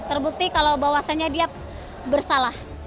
terbukti kalau bahwasannya dia bersalah